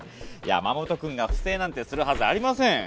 山本君がふ正なんてするはずありません。